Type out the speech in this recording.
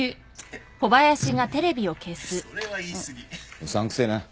うさんくせえな。